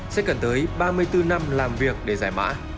sẽ cần tới ba mươi bốn năm làm việc để giải mã